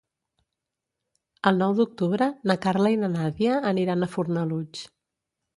El nou d'octubre na Carla i na Nàdia aniran a Fornalutx.